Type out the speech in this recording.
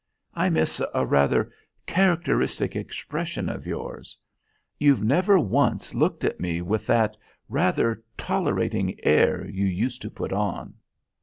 I miss a rather characteristic expression of yours. You've never once looked at me with that rather tolerating air you used to put on."